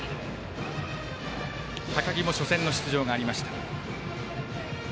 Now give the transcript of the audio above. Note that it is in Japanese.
高木も初戦の出場がありました。